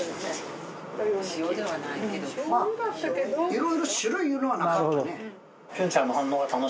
いろいろ種類いうのはなかったね。